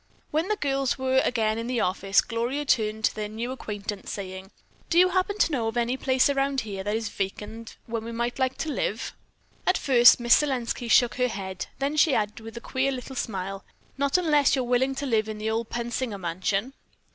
When the girls were again in the office, Gloria turned to their new acquaintance, saying, "Do you happen to know of any place around here that is vacant where we might like to live?" At first Miss Selenski shook her head. Then she added, with a queer little smile, "Not unless you're willing to live in the old Pensinger mansion."